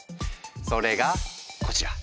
それがこちら！